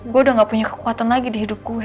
gue udah nggak punya kekuatan lagi di hidup gue